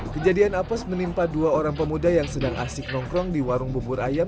kejadian apes menimpa dua orang pemuda yang sedang asik nongkrong di warung bubur ayam